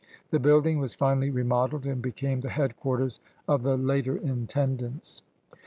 The building was finally remodeled and became the headquarters of the later intendants.